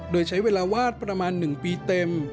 โดยใช้เวลาวาดประมาณ๑ปีเต็ม